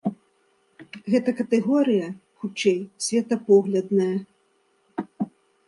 Гэта катэгорыя, хутчэй, светапоглядная.